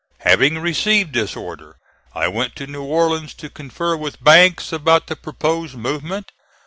Having received this order I went to New Orleans to confer with Banks about the proposed movement.